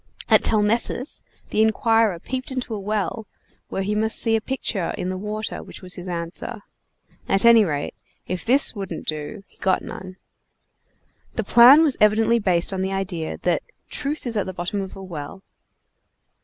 At Telmessus the inquirer peeped into a well, where he must see a picture in the water which was his answer; at any rate, if this wouldn't do he got none. This plan was evidently based on the idea that "truth is at the bottom of a well."